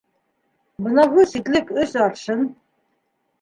Бынауһы ситлек өс аршын.